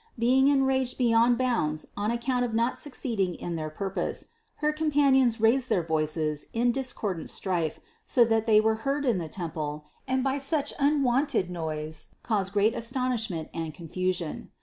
Being enraged beyond bounds on account of not succeeding in their purpose, her companions raised their voices in dis cordant strife, so that they were heard in the temple and by such unwonted noise caused great astonishment and confusion.